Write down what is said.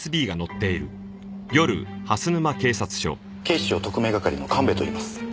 警視庁特命係の神戸といいます。